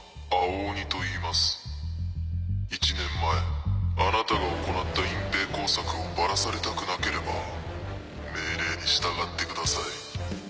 １年前あなたが行った隠蔽工作をバラされたくなければ命令に従ってください